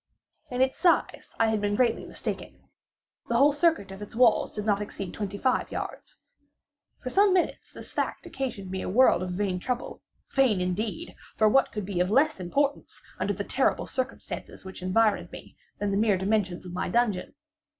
In its size I had been greatly mistaken. The whole circuit of its walls did not exceed twenty five yards. For some minutes this fact occasioned me a world of vain trouble; vain indeed! for what could be of less importance, under the terrible circumstances which environed me, then the mere dimensions of my dungeon?